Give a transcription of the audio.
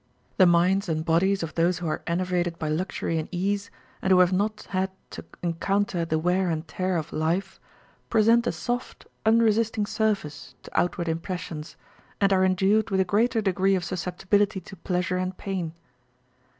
The minds and bodies of those who are enervated by luxury and ease, and who have not had to encounter the wear and tear of life, present a soft, unresisting surface to outward impressions, and are en . dued with a greater degree of susceptibility to pleasure and pain.